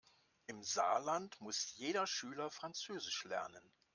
Im Saarland muss jeder Schüler französisch lernen.